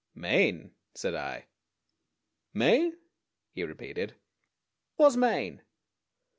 "Maine," said I. "Maine?" he repeated. "What's Maine?"